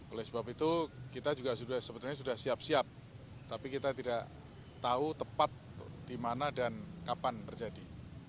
oleh sebab itu kita juga sebetulnya sudah siap siap tapi kita tidak tahu tepat di mana dan kapan terjadi